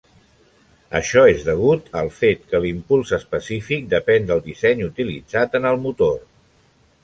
Això és degut al fet que l'impuls específic depèn del disseny utilitzat en el motor.